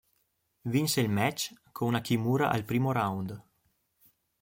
Vinse il match con una kimura al primo round.